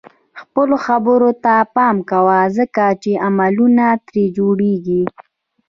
خپلو خبرو ته پام کوه ځکه چې عملونه ترې جوړيږي.